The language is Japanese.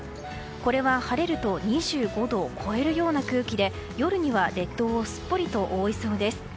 これは晴れると２５度を超えるような空気で夜には列島をすっぽりと覆いそうです。